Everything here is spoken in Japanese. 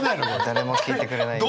誰も聴いてくれない。